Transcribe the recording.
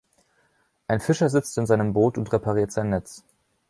Ein Fischer sitzt in seinem Boot und repariert sein Netz.